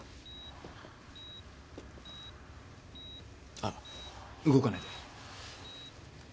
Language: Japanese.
あっ動かないで。